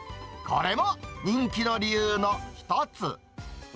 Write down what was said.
これも人気の理由の一つ。